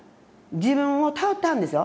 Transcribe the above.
自分を頼ってはるんですよ。